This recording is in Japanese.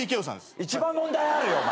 一番問題あるよお前！